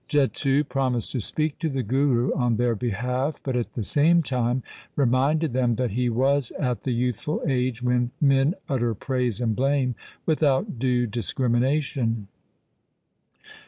Chetu promised to speak to the Guru on their behalf, but at the same time reminded them that he was at the youthful age when men utter praise and blame without due discrimination.